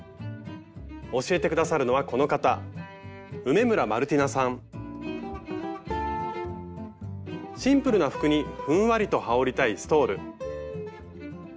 教えて下さるのはこの方シンプルな服にふんわりと羽織りたいストール。